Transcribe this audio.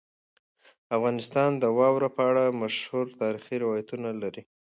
افغانستان د واوره په اړه مشهور تاریخی روایتونه لري.